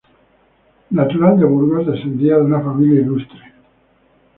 Natural de Burgos, descendía de una familia ilustre.